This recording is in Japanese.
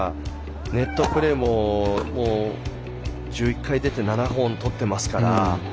ネットプレーも１１回出て７本とっていますから。